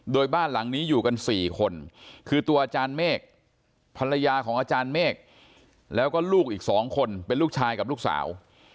โดยบ้านหลังนี้อยู่กัน๔คนคือตัวอาจารย์เมฆภรรยาของอาจารย์เมฆแล้วก็ลูกอีก๒คนเป็นลูกชายกับลูกสาว